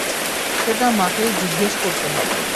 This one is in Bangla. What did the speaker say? সেটা মাকেই জিজ্ঞেস করতে হবে।